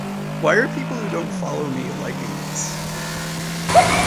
Why are people who don’t follow me liking this?